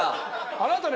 あなたね。